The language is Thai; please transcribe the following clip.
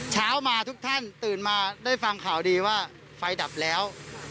เช้ามาทุกท่านตื่นมาได้ฟังข่าวดีว่าไฟดับแล้ว